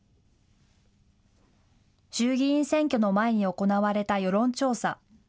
衆議院選挙の前に行われた世論調査。